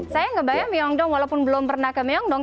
saya ngebayang myeongdong walaupun belum pernah ke myeongdong